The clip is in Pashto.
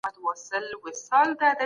خپلي لاسي چارې په دقت سره خلاصوه.